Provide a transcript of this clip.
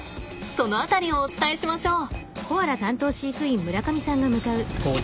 その辺りをお伝えしましょう。